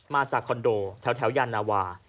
มาจากคอนโดแถวยานาวา